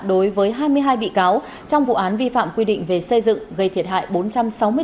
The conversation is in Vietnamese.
đối với hai mươi hai bị cáo trong vụ án vi phạm quy định về xây dựng gây thiệt hại